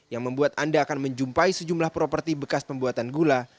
yang membuat anda akan menjumpai sejumlah properti bekas pembuatan gula